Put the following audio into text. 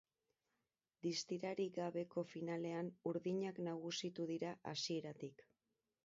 Distirarik gabeko finalean urdinak nagusitu dira hasieratik.